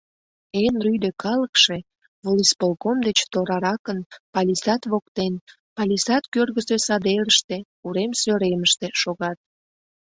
Эн рӱдӧ калыкше, волисполком деч тораракын, палисад воктен, палисад кӧргысӧ садерыште, урем сӧремыште шогат.